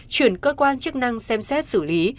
chuyển cơ quan chức năng xem xét xử lý